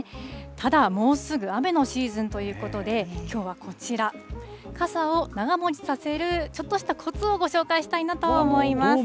ただ、もうすぐ雨のシーズンということで、きょうはこちら、傘を長もちさせる、ちょっとしたこつをご紹介したいなと思います。